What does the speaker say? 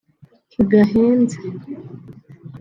ntigahenze